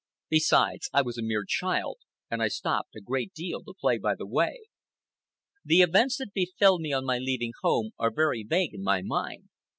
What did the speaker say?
Besides, I was a mere child, and I stopped a great deal to play by the way. The events that befell me on my leaving home are very vague in my mind.